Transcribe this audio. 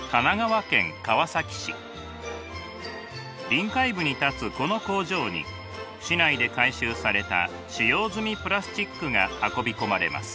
臨海部に立つこの工場に市内で回収された使用済みプラスチックが運び込まれます。